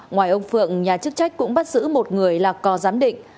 ngoài ông phượng nhà chức trách cũng bắt giữ một người là cò giám định